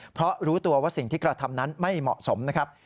เพราะรู้ตัวว่าสิ่งที่กระทำนั้นไม่เหมาะสมนะครับ